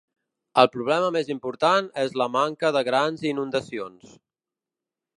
El problema més important és la manca de grans inundacions.